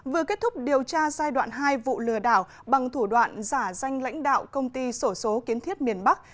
vừa kết thúc điều tra giai đoạn hai vụ lừa đảo bằng thủ đoạn giả danh lãnh đạo công ty sổ số kiến thiết miền bắc